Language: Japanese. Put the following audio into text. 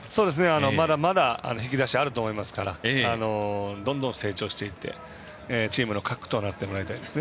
まだまだ引き出しがあると思いますからどんどん成長していってチームの核となってもらいたいです。